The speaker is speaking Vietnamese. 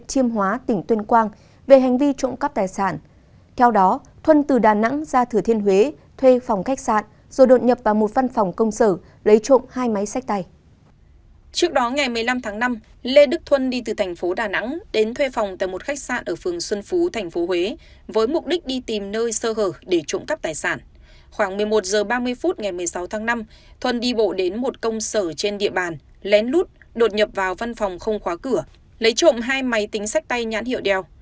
khoảng một mươi một h ba mươi phút ngày một mươi sáu tháng năm thuân đi bộ đến một công sở trên địa bàn lén lút đột nhập vào văn phòng không khóa cửa lấy trộm hai máy tính sách tay nhãn hiệu đeo